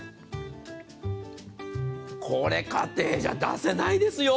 これ、家庭じゃ出せないですよ。